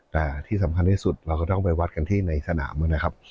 แต่ที่สำคัญที่สุดเราก็ต้องไปวัดกันที่ในสนามนะครับ